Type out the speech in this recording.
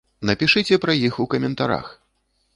Напішыце пра іх у каментарах!